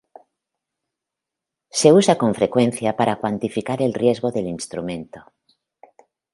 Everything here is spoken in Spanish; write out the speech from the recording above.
Se usa con frecuencia para cuantificar el riesgo del instrumento.